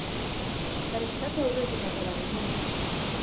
Prestatu aurretik atera ginen.